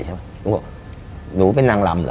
อเจมส์หนูเป็นนางรำเหรอ